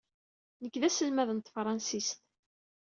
Nekk d aselmad n tefṛansist.